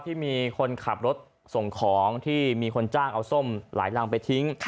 ที่มีคนขับรถส่งของที่มีคนจ้างเอาส้มหลายรังไปทิ้ง